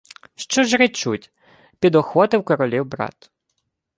— Що ж речуть? — підохотив королів брат.